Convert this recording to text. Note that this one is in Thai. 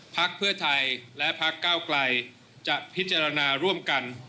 พักเพื่อไทยและพักเก้าไกลจะพิจารณาร่วมกัน